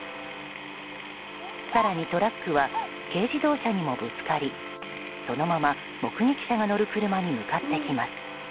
更に、トラックは軽自動車にもぶつかりそのまま目撃者が乗る車に向かってきます。